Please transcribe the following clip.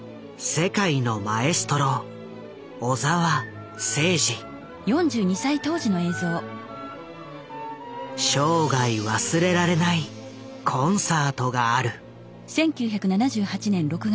世界のマエストロ生涯忘れられないコンサートがある。